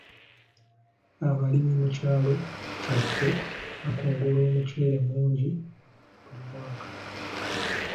Abalimi mu kyalo kyaffe bakungula omuceere mungi buli mwaka.